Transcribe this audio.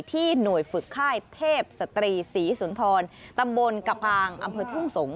ที่หน่วยฝึกค่ายเทพสตรีศรีสุนทรตำบลกระพางอำเภอทุ่งสงศ